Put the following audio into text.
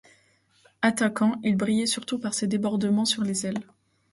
Attaquant, il brillait surtout par ses débordements sur les ailes.